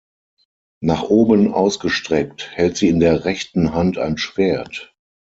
Nach oben ausgestreckt hält sie in der rechten Hand ein Schwert.